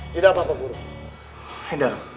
tidak apa apa guru